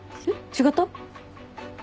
違った？